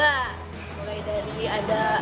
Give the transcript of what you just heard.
ya mulai dari ada